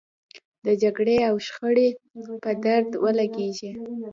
د جګړې او شخړې په درد ولګېږي.